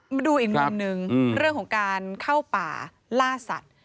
มาดูอีกมุมหนึ่งเรื่องของการเข้าป่าล่าสัตว์